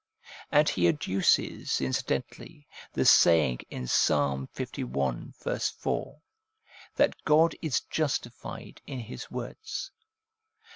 And he adduces incidentally the saying in Psalm li. 4, that God is justified in His words.